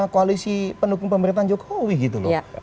koalisi pendukung pemerintahan jokowi gitu loh